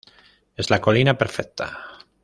Es la colina perfecta.